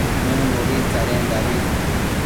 Nëmbobi tsadendabi